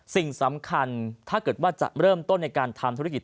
สิ่งสำคัญถ้าเกิดว่าจะเริ่มต้นในการทำธุรกิจ